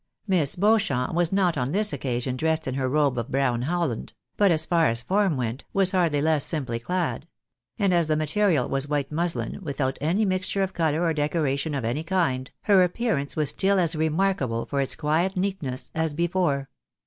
Miss Beauchamp was not on this occasion dressed in her robe of brown holland ; but as far as form went, was hardly less simply clad ; and as the material was white muslin, without any mixture of colour or decoration of any kind, her appearance was still as remarkable for its quiet neatness as before.